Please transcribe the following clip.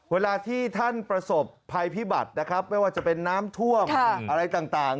เวลาที่ท่านประสบภัยพิบัตินะครับไม่ว่าจะเป็นน้ำท่วมอะไรต่าง